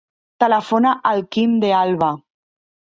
Telefona al Quim De Alba.